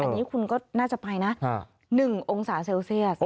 อันนี้คุณก็น่าจะไปนะ๑องศาเซลเซียส